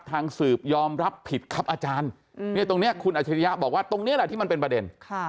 ทางสืบยอมรับผิดครับอาจารย์เนี่ยตรงนี้คุณอัชริยะบอกว่าตรงนี้แหละที่มันเป็นประเด็น